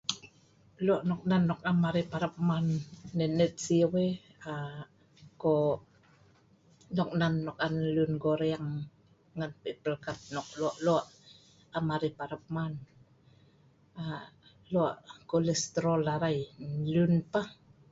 lok nok nan nok am arai parap man net net siu weh aa ko' nok nan nok on lun goreng ngan pei pelkat nok lok lok am arai parap man aa lok kolestrol arai en lun pah